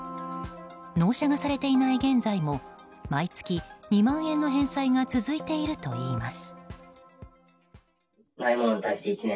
納車がされていない現在も毎月２万円の返済が続いているといいます。